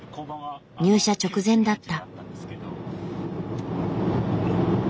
入社直前だった。